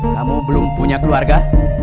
kamu belum punya keluarga